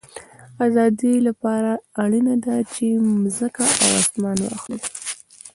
د آزادۍ له پاره اړینه ده، چي مځکه او اسمان واخلې.